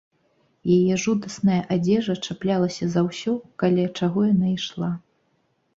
Яе жудасная адзежа чаплялася за ўсё, каля чаго яна ішла.